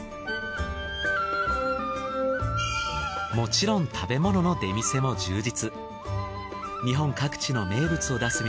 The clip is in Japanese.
もちろん食べ物の出店も充実。